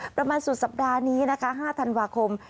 ประมาณสุดสัปดาห์นี้นะคะ๕ธันวาคม